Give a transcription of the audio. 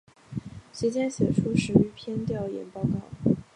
其间写出十余篇调研报告。